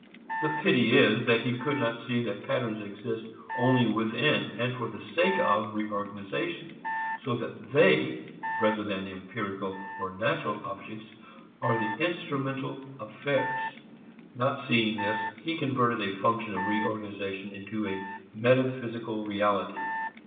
The pity is that he could not see that patterns exist only within and for the sake of reorganization, so that they, rather than empirical or natural objects, are the instrumental affairs. Not seeing this, he converted a function of reorganization into a metaphysical reality.